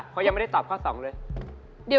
เขายังไม่ได้ตอบข้อ๒เลย